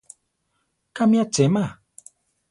Kámi achema.